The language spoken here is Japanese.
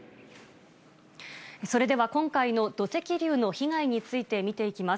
それでは今回の土石流の被害について見ていきます。